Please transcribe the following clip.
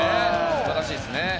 素晴らしいですね。